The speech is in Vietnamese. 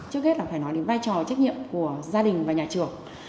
trước hết là phải nói đến vai trò trách nhiệm của gia đình và nhà trường